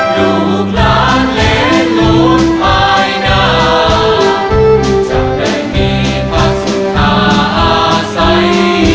ลูกหลานเล่นหลุดภายหน้าจะได้มีภาพสุทธาอาศัย